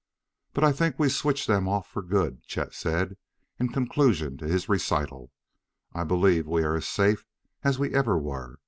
"But I think we switched them off for good," Chet said, in conclusion of his recital; "I believe we are as safe as we ever were.